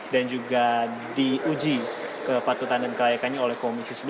juga diuji kepatutan dan kelayakannya oleh komisi sebelas